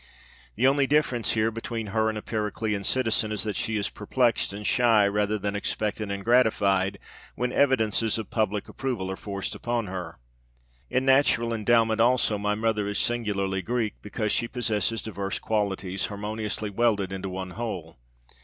The only difference here between her and a Periclean citizen is that she is perplexed and shy rather than expectant and gratified when evidences of public approval are forced upon her. In natural endowment, also, my mother is singularly Greek, because she possesses diverse qualities harmoniously welded into one whole.